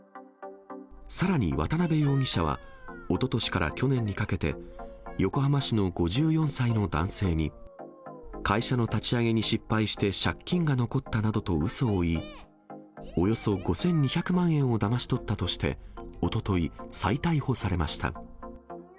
さらに渡辺容疑者は、おととしから去年にかけて、横浜市の５４歳の男性に、会社の立ち上げに失敗して借金が残ったなどとうそを言い、およそ５２００万円をだまし取ったとして、おととい、再逮捕されました。